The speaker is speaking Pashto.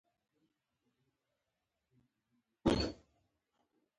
د ښوونې او روزنې کیفیت باید د ټولنې اړتیاو سره سمون ولري.